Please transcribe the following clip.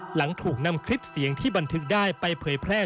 หลังถูกนำคลิปเสียงที่บันทึกได้ไปเผยแพร่